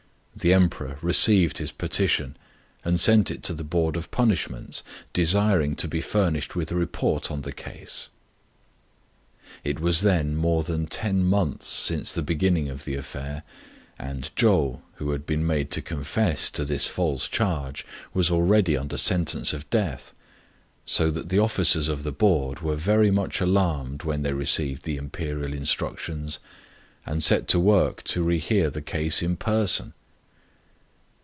The Emperor re ceived his petition, and sent it to the Board of Punish ments, 5 desiring to be furnished with a report on the case. It was then more than ten months since the beginning of the affair, and Chou, who had been made to confess 6 to this false charge, was already under sentence of death ; so that the officers of the Board were very much alarmed when they received the Imperial instructions, and set to work to re hear the case in person.